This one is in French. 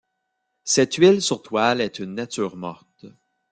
Cette huile sur toile est une nature morte.